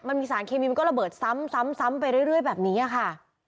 มันมีสารเคมีมันก็ระเบิดซ้ำไปเรื่อยแบบนี้ค่ะ